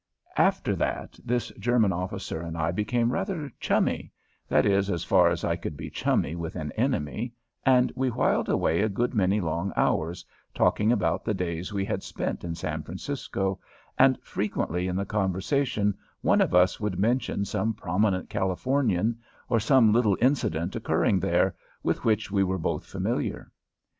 After that this German officer and I became rather chummy that is, as far as I could be chummy with an enemy, and we whiled away a good many long hours talking about the days we had spent in San Francisco, and frequently in the conversation one of us would mention some prominent Californian, or some little incident occurring there, with which we were both familiar.